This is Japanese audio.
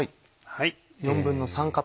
はい。